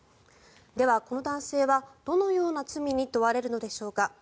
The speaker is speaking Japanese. では、この男性はどのような罪に問われるのでしょうか。